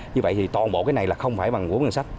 như vậy thì toàn bộ cái này là không phải bằng